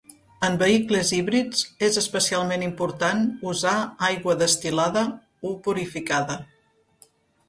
En vehicles híbrids és especialment important usar aigua destil·lada o purificada.